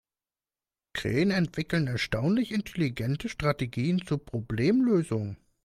Krähen entwickeln erstaunlich intelligente Strategien zur Problemlösung.